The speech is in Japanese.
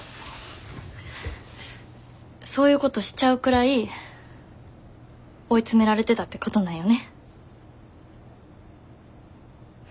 そういうことしちゃうくらい追い詰められてたってことなんよね。